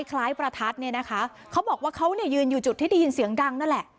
คล้ายประทัดเนี่ยนะคะเขาบอกว่าเขาเนี่ยยืนอยู่จุดที่ได้ยินเสียงดังนั่นแหละ